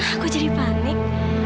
aku jadi panik